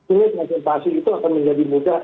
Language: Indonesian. unit reservasi itu akan menjadi mudah